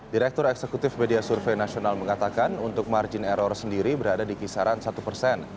direktur eksekutif media survei nasional mengatakan untuk margin error sendiri berada di kisaran satu persen